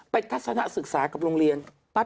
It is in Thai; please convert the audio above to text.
ทัศนะศึกษากับโรงเรียน